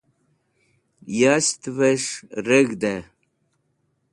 yasht'vesh reg̃hd'ey